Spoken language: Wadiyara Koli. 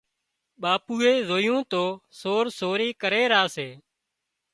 ٻاپوئي زويون تو سور سوري ڪري را سي